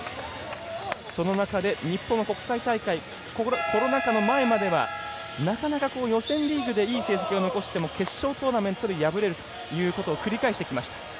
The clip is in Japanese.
その中で日本国際大会コロナ禍の前まではなかなか予選リーグでいい成績を残しても決勝トーナメントで敗れるということを繰り返してきました。